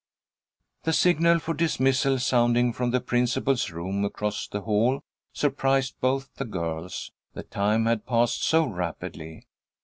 The signal for dismissal, sounding from the principal's room across the hall, surprised both the girls. The time had passed so rapidly.